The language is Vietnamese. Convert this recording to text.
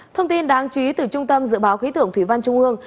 thông tin đáng chú ý từ trung tâm dự báo khí tượng thủy văn trung ương